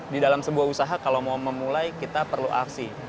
di dalam sebuah usaha kalau mau memulai kita perlu aksi